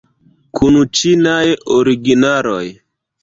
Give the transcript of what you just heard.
Kun ĉinaj originaloj.